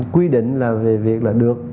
quy định là về việc được